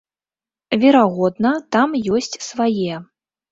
Верагодна, там ёсць свае.